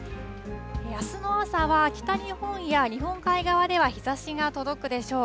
あすの朝は北日本や日本海側では日ざしが届くでしょう。